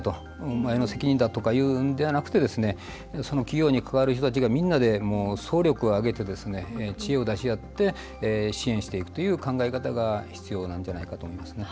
お前の責任だとかいうのではなくその企業に関わる人たちがみんなで総力を挙げて知恵を出し合って支援していくという考え方が必要なんじゃないかと思いますね。